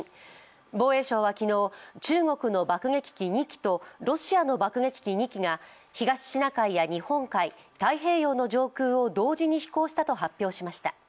防衛省は昨日、中国の爆撃機２機とロシアの爆撃機２機が東シナ海や日本海、太平洋の上空を同時に飛行したと発表しました。